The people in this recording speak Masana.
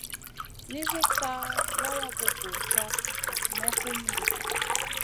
Nisi ká lawagu burkaf nak may hum ɗi.